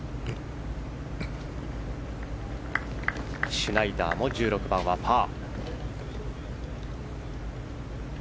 シュナイダーも１６番はパー。